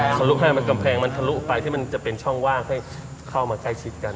ชกกำแพงมันเพื่อทะลุไปที่จะเป็นช่องว่างให้เข้ามาใกล้ชิดกัน